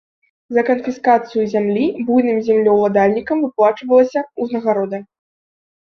За канфіскацыю зямлі буйным землеўладальнікам выплачвалася ўзнагарода.